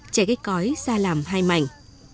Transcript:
chẻ cây cõi ra làm hai mảnh